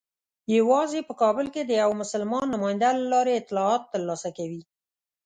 یوازې په کابل کې د یوه مسلمان نماینده له لارې اطلاعات ترلاسه کوي.